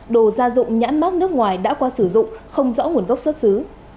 đồ gia dụng nhãn mát nước ngoài đã qua sử dụng không rõ nguồn gốc xuất xứ